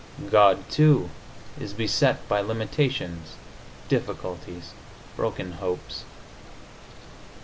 God, too, is beset by limitations, difficulties, broken hopes.